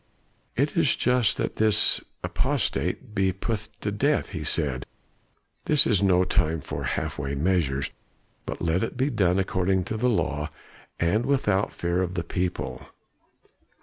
"It is just that this apostate be put to death," he said. "This is no time for half way measures; but let it be done according to the law and without fear of the people."